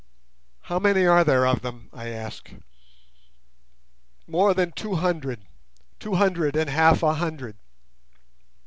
"How many are there of them?" I asked. "More than two hundred—two hundred and half a hundred."